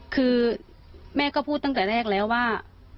คือแม่ก็พูดตั้งแต่แรกแล้วว่า